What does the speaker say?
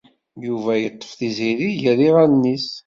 Yuba yeṭṭef Tiziri gar iɣallen-is.